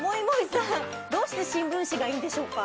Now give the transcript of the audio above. ｍｏｉｍｏｉさんどうして新聞紙がいいんでしょうか？